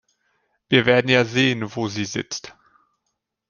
Wir werden ja sehen, wo sie sitzt!